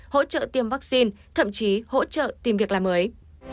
hỗ trợ tiêm vaccine thậm chí hỗ trợ tìm việc làm mới